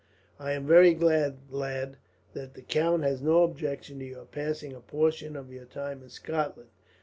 "I am very glad, lad, that the count has no objection to your passing a portion of your time in Scotland.